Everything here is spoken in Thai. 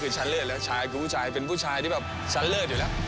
ฉันเลิศแล้วเป็นผู้ชายที่ฉันเลิศอยู่แล้ว